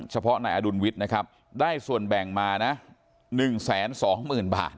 เฉพาะนายอดุลวิทย์นะครับได้ส่วนแบ่งมานะ๑๒๐๐๐บาท